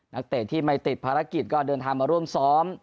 เตะที่ไม่ติดภารกิจก็เดินทางมาร่วมซ้อม